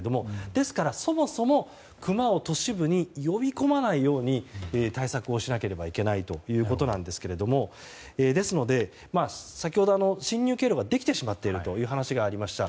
ですから、そもそもクマを都市部に呼び込まないように対策をしなければいけないということなんですがですので、先ほど侵入経路ができてしまっているという話がありました。